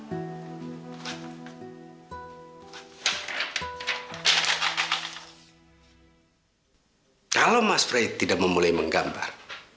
mas freko kalau mas freko tidak memulai menggambar